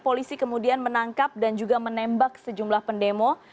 polisi kemudian menangkap dan juga menembak sejumlah pendemo